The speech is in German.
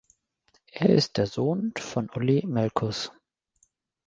Er ist der Sohn von Ulli Melkus.